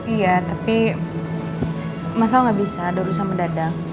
iya tapi masalah nggak bisa udah berusaha mendadak